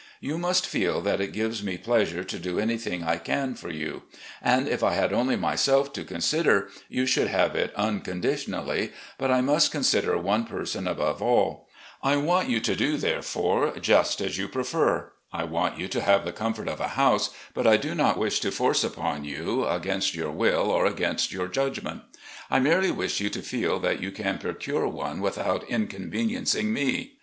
You must feel that it gives me pleasure to do anything I can for you, and if I had only myself to consider, you should have it unconditionally, but I must consider one person above all. I want you to do, therefore, just as LEE'S LETTERS TO HIS SONS 343 you prefer. I want you to have the comfort of a house, but I do not wish to force one upon you, against your will or against your judgment. I merely wish you to feel that you can procure one without inconveniencing me.